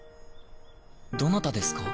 どなたですか？